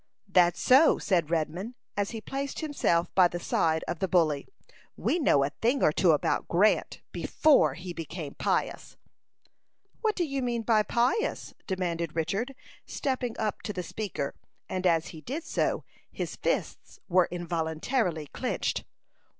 "That's so," said Redman, as he placed himself by the side of the bully. "We know a thing or two about Grant, before he became pious." "What do you mean by pious?" demanded Richard, stepping up to the speaker; and as he did so, his fists were involuntarily clinched.